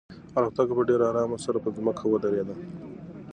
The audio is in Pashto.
الوتکه په ډېر ارام سره په ځمکه ودرېده.